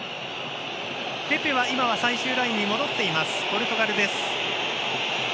ペペは最終ラインに戻っていますポルトガル。